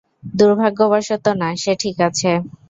দূর্ভাগ্যবশত না, সে ঠিক আছে।